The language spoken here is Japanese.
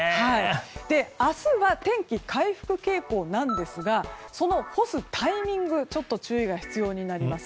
明日は天気、回復傾向なんですがその干すタイミングに注意が必要になります。